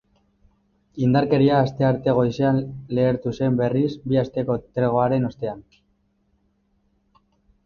Indarkeria astearte goizean lehertu zen berriz, bi asteko tregoaren ostean.